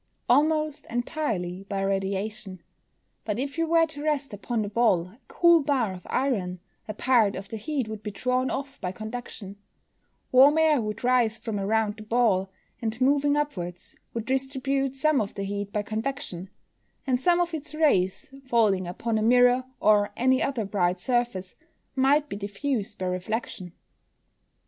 _ Almost entirely by radiation. But if you were to rest upon the ball a cold bar of iron, a part of the heat would be drawn off by conduction. Warm air would rise from around the ball, and, moving upwards, would distribute some of the heat by convection. And some of its rays, falling upon a mirror, or any other bright surface, might be diffused by reflection.